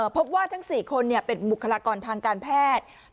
พบว่าทั้ง๔คนเป็นบุคลากรทางการแพทย์